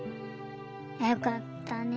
よかったね。